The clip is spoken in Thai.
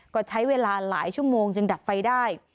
ก็ใช้เวลาหลายชั่วโมงจึงดับไฟได้